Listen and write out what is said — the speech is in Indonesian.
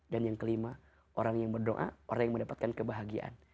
dan yang kelima orang yang berdoa orang yang mendapatkan kebahagiaan